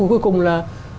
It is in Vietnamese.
cuối cùng là